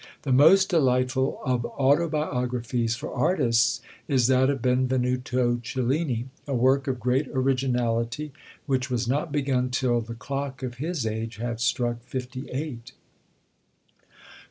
The most delightful of autobiographies for artists is that of Benvenuto Cellini; a work of great originality, which was not begun till "the clock of his age had struck fifty eight."